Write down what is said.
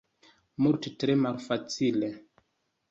Multe tre malfacile.